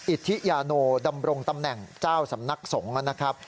อิทธิยาโนดำรงตำแหน่งเจ้าสำนักสงฆ์นะครับ